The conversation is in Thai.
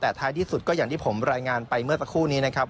แต่ท้ายที่สุดก็อย่างที่ผมรายงานไปเมื่อสักครู่นี้นะครับ